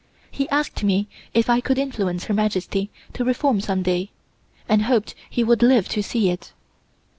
He asked me if I could influence Her Majesty to reform some day, and hoped he would live to see it.